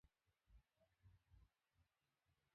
Wanyama wapewe dawa za kuuwa minyoo kwa wakati